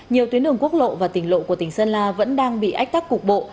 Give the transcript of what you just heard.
nhiều tuyến đường quốc lộ và tỉnh lộ của tỉnh sơn la vẫn đang bị ách tắc cục bộ